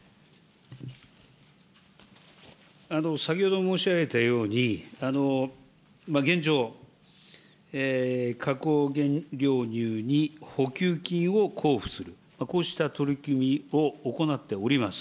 先ほど申し上げたように、現状、加工原料乳に補給金を交付する、こうした取り組みを行っております。